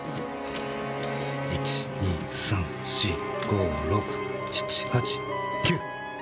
１２３４５６７８９！